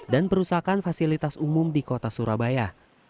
dan perusahaan fasilitas umum di kota surabaya